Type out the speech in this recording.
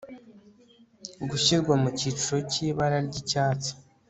gushyirwa mu cyiciro cy ibara ry icyatsi